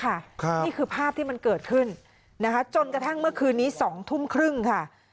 นี่คือภาพที่มันเกิดขึ้นนะคะจนกระทั่งเมื่อคืนนี้สองทุ่มครึ่งค่ะ